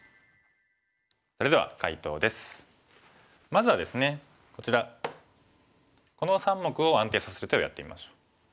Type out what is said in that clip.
まずはですねこちらこの３目を安定させる手をやってみましょう。